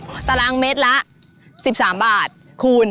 โอ้โหตารางเม็ดละ๑๓บาทคูณ๓๐๐๐ค่ะ